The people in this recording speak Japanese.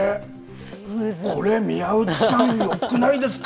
これ、宮内さん、よくないですか。